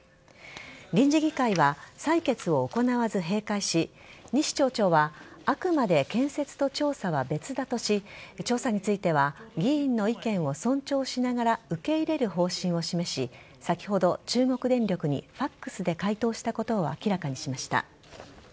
臨時議会は採決を行わず閉会し西町長はあくまで建設と調査は別だとし調査については議員の意見を尊重しながら受け入れる方針を示し先ほど、中国電力にファックスで回答したことを明らかにしました。